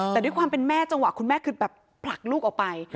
แต่ด้วยความเป็นแม่จังหวะคุณแม่คือแบบผลักลูกออกไป